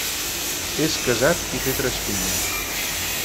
És casat i té tres filles.